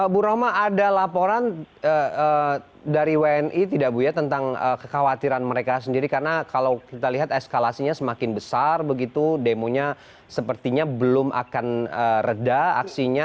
bu roma ada laporan dari wni tidak bu ya tentang kekhawatiran mereka sendiri karena kalau kita lihat eskalasinya semakin besar begitu demonya sepertinya belum akan reda aksinya